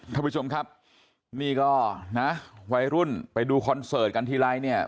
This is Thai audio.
ท่านผู้ชมครับนี่ก็นะวัยรุ่นไปดูคอนเสิร์ตกันทีไรเนี่ย